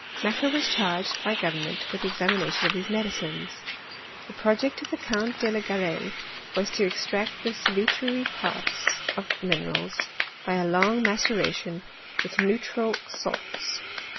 Macquer was charged by government with the examination of these medicines. The project of the Count de la Guraie was to extract the salutary parts of minerals, by a long maceration with neutral 998 HISTORY OF CHEMISTBT. saltB.